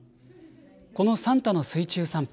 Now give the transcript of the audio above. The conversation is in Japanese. このサンタの水中散歩。